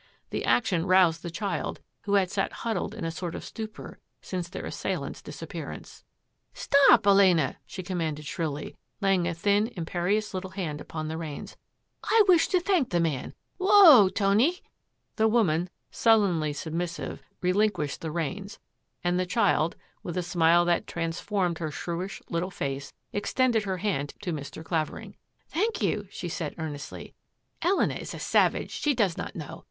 The action roused the child, who had sat huddled in a sort of stupor since their assailant's disap pearance. " Stop, Elena !" she commanded shrilly, laying a thin, imperious little hand upon the reins. " I wish to thank the man. Whoa, Tony !" MAVIS 89 The woman, sullenly submissive, relinquished the reins, and the child, with a smile that transformed her shrewish little face, extended her hand to Mr. Clavering. " Thank you," she said earnestly. " Elena is a savage. She does not know.